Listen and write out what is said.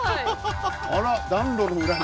あら暖炉の裏に。